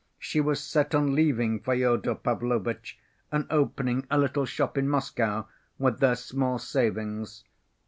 She was set on leaving Fyodor Pavlovitch and opening a little shop in Moscow with their small savings.